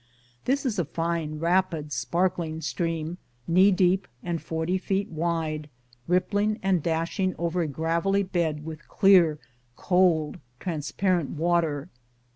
This is a fine, rapid, sparkling stream, knee deep and fortv feet wide, rippling and dashing over a gravelly bed with clear, cold, transparent water.